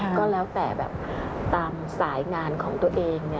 ก็แล้วแต่แบบตามสายงานของตัวเอง